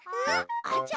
あちゃ。